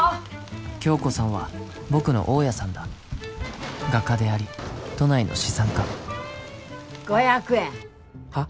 響子さんは僕の大家さんだ画家であり都内の資産家５００円はっ？